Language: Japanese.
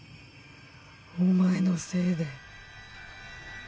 お前のせいで。